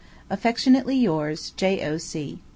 Affectionately yours, J.O.C.